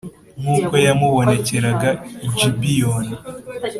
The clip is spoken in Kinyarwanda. nk’uko yamubonekeraga i Gibeyoni